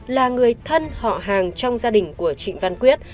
là người thân họ hàng trong gia đình của trịnh văn quyết